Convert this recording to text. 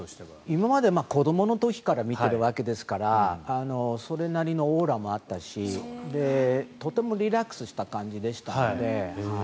今まで子どもの時から見ているわけですからそれなりのオーラもあったしとてもリラックスした感じでしたので。